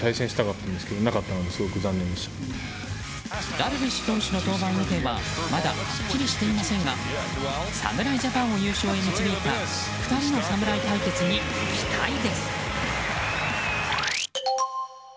ダルビッシュ投手の登板予定はまだはっきりしていませんが侍ジャパンを優勝へ導いた２人の侍対決に期待です。